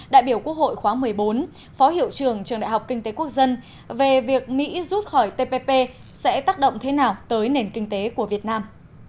đại biểu quốc hội khóa một mươi bốn phó hiệu trưởng trường đại học kinh tế quốc dân về việc mỹ rút khỏi tpp sẽ tác động thế nào tới nền kinh tế của việt nam